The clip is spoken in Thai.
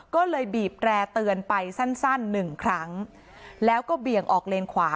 ก็เลยบีบแร่เตือนไปสั้นสั้นหนึ่งครั้งแล้วก็เบี่ยงออกเลนขวา